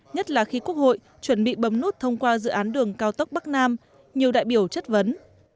nhất là khi quốc hội chuẩn bị bấm nút thông qua dự án đường cao tốc bắc nam nhiều đại biểu chất vấn